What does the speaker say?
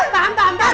tahan tahan tahan